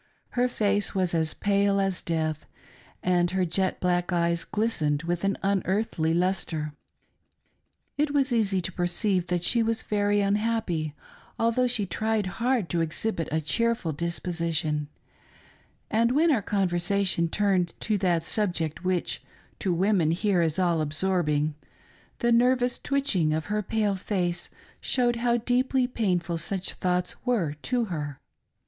Her face was pale as death, and her jet black eyes glistened with an unearthly lustre ; it was easy to perceive that she was very unhappy, although she tried hard to exhibit a cheerful disposition, and when our conversation turned to that subject which to women here is all absorbing, the nervous twitching of her pale face showed how deeply pain ful such thoughts were to her.